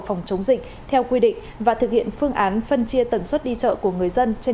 phòng chống dịch theo quy định và thực hiện phương án phân chia tần suất đi chợ của người dân trên